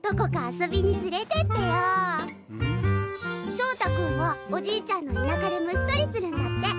しょうた君はおじいちゃんの田舎で虫とりするんだって！